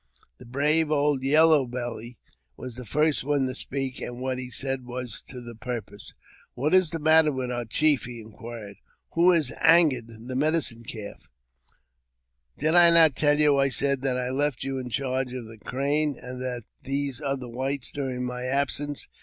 The brave old Yellow Belly was the first one to speak, an what he said was to the purpose. " What is the matter with our chief ?" he inquired ;" wh has angered the Medicine Calf? "" Did I not tell you," I said, " that I left you in charge a the Crane and these other whites during my absence